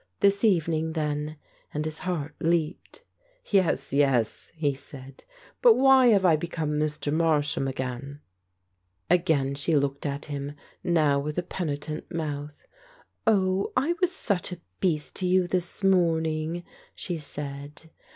This evening, then. And his heart leaped. "Yes, yes," he said. "But why have I become Mr. Marsham again ?" Again she looked at him, now with a penitent mouth. "Oh, I was such a beast to you this morning," she said.